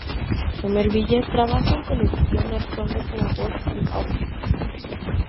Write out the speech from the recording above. Somerville trabajo en televisión actuando como voz en off.